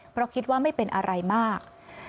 เพราะคิดว่าไม่เป็นอะไรมาก